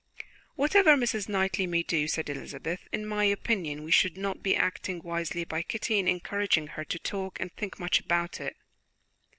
"Whatever Mrs. Knightley may do," said Elizabeth, "in my opinion we should not be acting wisely by Kitty in encouraging her to talk and think much about it.